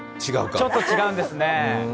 ちょっと違うんですね。